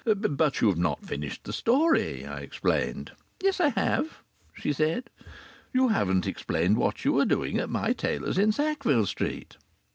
"But you've not finished the story!" I explained. "Yes, I have," she said. "You haven't explained what you were doing at my tailor's in Sackville Street."